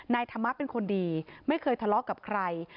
ธรรมะเป็นคนดีไม่เคยทะเลาะกับใคร